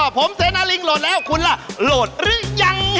ผมเสนาลิงโหลดแล้วคุณล่ะโหลดหรือยัง